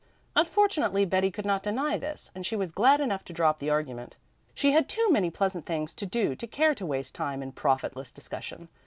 Unfortunately Betty could not deny this, and she was glad enough to drop the argument. She had too many pleasant things to do to care to waste time in profitless discussion.